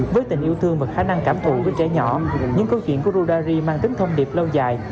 với tình yêu thương và khả năng cảm thụ với trẻ nhỏ những câu chuyện của rudari mang tính thông điệp lâu dài